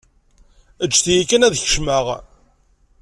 Eǧǧet-iyi kan ad kecmeɣ.